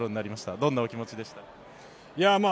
どんなお気持ちでした？